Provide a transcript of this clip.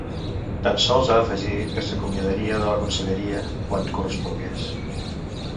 Tan sols ha afegit que s’acomiadaria de la conselleria quan correspongués.